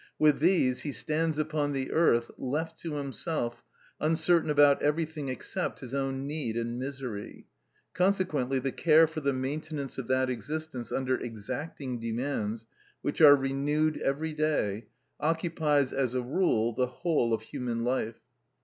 With these he stands upon the earth, left to himself, uncertain about everything except his own need and misery. Consequently the care for the maintenance of that existence under exacting demands, which are renewed every day, occupies, as a rule, the whole of human life.